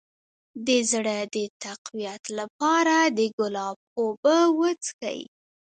د زړه د تقویت لپاره د ګلاب اوبه وڅښئ